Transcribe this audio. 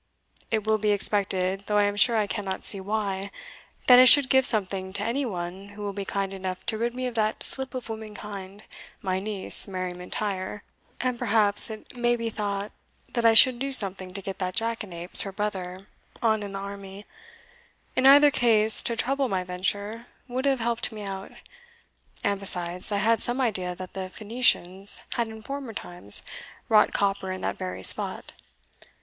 It will be expected (though I am sure I cannot see why) that I should give something to any one who will be kind enough to rid me of that slip of womankind, my niece, Mary M'Intyre; and perhaps it may be thought I should do something to get that jackanapes, her brother, on in the army. In either case, to treble my venture, would have helped me out. And besides, I had some idea that the Phoenicians had in former times wrought copper in that very spot.